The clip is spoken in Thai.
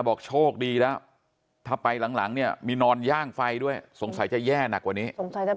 บอกโชคดีแล้วถ้าไปหลังเนี่ยมีนอนย่างไฟด้วยสงสัยจะแย่หนักกว่านี้